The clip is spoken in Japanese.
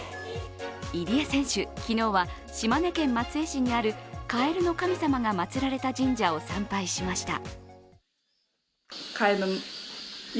入江選手、昨日は島根県松江市にあるカエルの神様が祭られた神社を参拝しました。